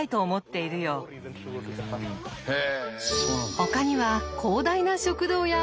ほかには広大な食堂や体育館も。